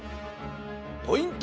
ポイント